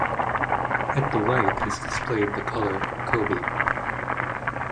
At the right is displayed the color kobi.